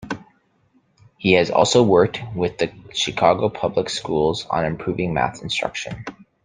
He has also worked with the Chicago Public Schools on improving math instruction.